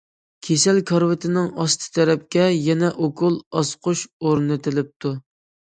كېسەل كارىۋىتىنىڭ ئاستى تەرەپكە يەنە ئوكۇل ئاسقۇچ ئورنىتىلىپتۇ.